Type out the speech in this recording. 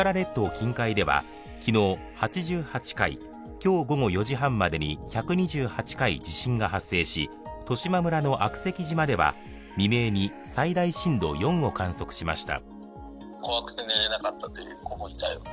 近海では昨日８８回、今日午後４時半までに１２８回地震が発生し、十島村の悪石島では未明に最大震度４を観測しました。